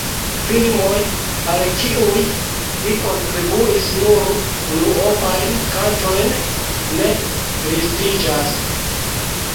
Filmoj, al kiuj li kontribuis nur unuopajn kantojn, ne listiĝas.